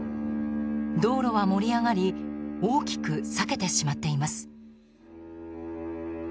道路は盛り上がり大きく裂けてしまっています。